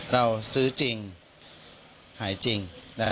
เราซื้อจริงหายจริง